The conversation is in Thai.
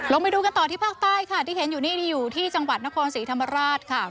ไปดูกันต่อที่ภาคใต้ค่ะที่เห็นอยู่นี่อยู่ที่จังหวัดนครศรีธรรมราชค่ะ